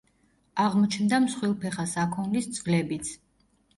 აღმოჩნდა მსხვილფეხა საქონლის ძვლებიც.